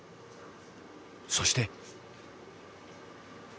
そして。